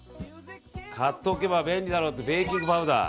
買っておけば便利だろうってベーキングパウダー。